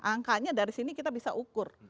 angkanya dari sini kita bisa ukur